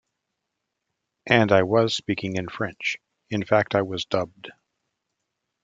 And I was speaking in French; in fact I was dubbed.